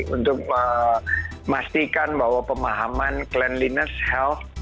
untuk memastikan bahwa pemahaman cleanliness health